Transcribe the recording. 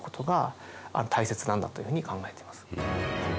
なんだというふうに考えてます。